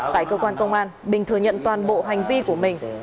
tại cơ quan công an bình thừa nhận toàn bộ hành vi của mình